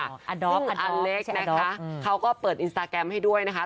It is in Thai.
อาดอฟอาเล็กนะคะเขาก็เปิดอินสตาแกรมให้ด้วยนะคะ